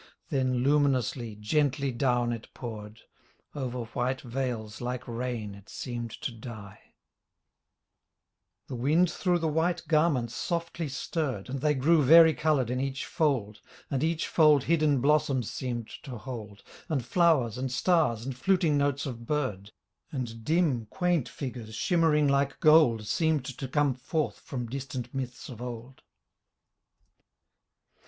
Then luminously, gently down it poured — Over white veils like rain it seemed to die. 31 Maidens at Confirmation The wind through the white garments softly stirred And they grew vari coloured in each fold And each fold hidden blossoms seemed to hold And flowers and stars and fluting notes of bird. And dim, quaint figures shimmering like gold Seemed to come forth from distant myths of old.